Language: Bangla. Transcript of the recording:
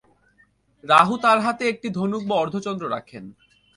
রাহু তার হাতে একটি ধনুক বা অর্ধচন্দ্র রাখেন।